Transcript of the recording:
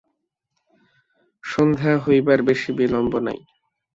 সন্ধ্যা হইবার বেশি বিলম্ব নাই।